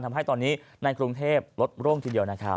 ทำให้ตอนนี้ในกรุงเทพลดโร่งทีเดียวนะครับ